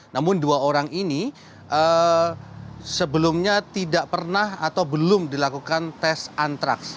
namun dua orang ini sebelumnya tidak pernah atau belum dilakukan tes antraks